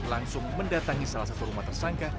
langsung mendatangi salah satu rumah tersangka